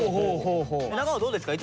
長尾どうですか？